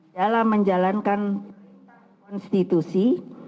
dalam menjalankan perintah konstitusi